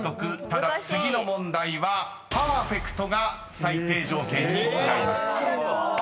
ただ次の問題はパーフェクトが最低条件になります］